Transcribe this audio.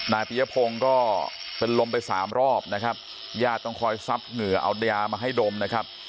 ปียพงศ์ก็เป็นลมไปสามรอบนะครับญาติต้องคอยซับเหงื่อเอายามาให้ดมนะครับ